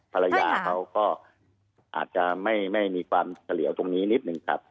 ภรรยาเขาก็อาจจะไม่มีความเฉลี่ยวตรงนี้นิดนึงครับ